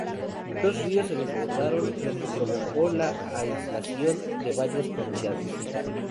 Dos ríos se desbordaron, lo que provocó la aislación de varias comunidades.